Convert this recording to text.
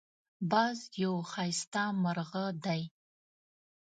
باز یو ښایسته مرغه دی